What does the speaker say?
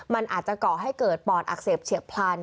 มันอาจจะก่อให้เกิดปอดอักเสบเฉียบพลัน